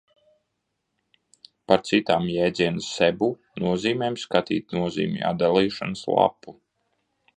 Par citām jēdziena Sebu nozīmēm skatīt nozīmju atdalīšanas lapu.